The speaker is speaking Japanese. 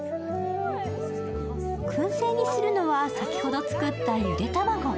くん製にするのは、先ほど作ったゆで卵。